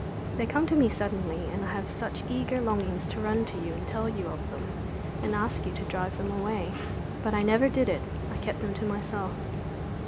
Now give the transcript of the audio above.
They come to me suddenly, and I have such eager longings to run to you and tell you of them, and ask you to drive them away. But I never did it; I kept them to myself."